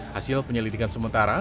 hasil penyelidikan sementara